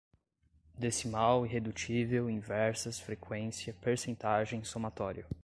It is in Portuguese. decimal, irredutível, inversas, frequência, percentagem, somatório